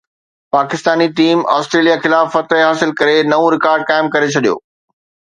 Pakistani team Australia خلاف فتح حاصل ڪري نئون رڪارڊ قائم ڪري ڇڏيو